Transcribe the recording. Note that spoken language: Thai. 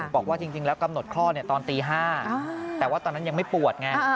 บอกว่าจริงแล้วกำหนดคลอดตอนตี๕แต่ว่าตอนนั้นยังไม่ปวดไง